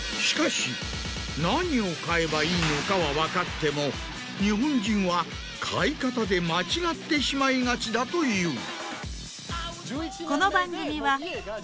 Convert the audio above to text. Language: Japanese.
しかし何を買えばいいのかは分かっても日本人は買い方で間違ってしまいがちだという。